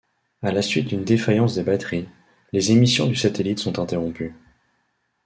À la suite d'une défaillance des batteries, les émissions du satellite sont interrompues.